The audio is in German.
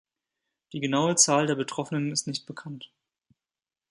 Die genaue Zahl der Betroffenen ist nicht bekannt.